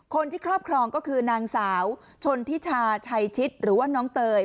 ครอบครองก็คือนางสาวชนทิชาชัยชิดหรือว่าน้องเตย